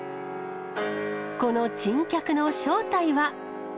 この珍客の正体は。